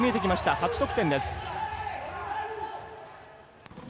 ８得点です。